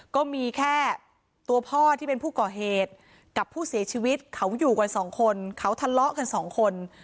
ก็มีแค่ตัวพ่อที่เป็นผู้ก่อเหตุกับผู้เสียชีวิตเขาอยู่กันสองคนเขาทะเลาะกันสองคน